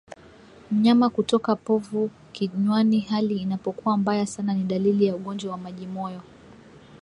Mnyama kutoka povu kinywani hali inapokuwa mbaya sana ni dalili ya ugonjwa wa majimoyo